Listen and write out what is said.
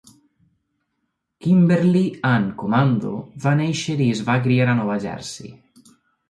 Kimberly Ann Komando va néixer i es va criar a Nova Jersey.